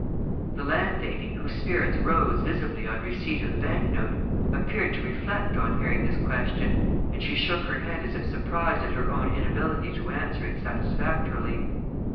The landlady, whose spirits rose visibly on receipt of the bank note, appeared to reflect on hearing this question, and she shook her head as if surprised at her own inability to answer it satisfactorily.